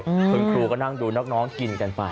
คุณครูก็นั่งดูน้องกินกันไป